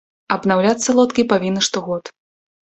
Абнаўляцца лодкі павінны штогод.